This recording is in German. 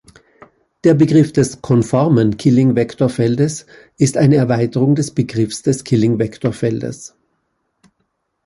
Der Begriff des konformen Killing-Vektorfeldes ist eine Erweiterung des Begriffs des Killing-Vektorfeldes.